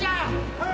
はい！